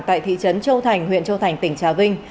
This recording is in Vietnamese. tại thị trấn châu thành huyện châu thành tỉnh trà vinh